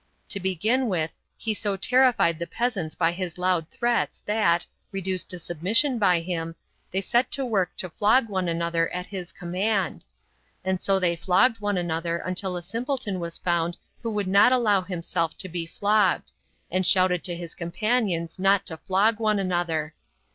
To begin with, he so terrified the peasants by his loud threats that, reduced to submission by him, they set to work to flog one another at his command. And so they flogged one another until a simpleton was found who would not allow himself to be flogged, and shouted to his companions not to flog one another.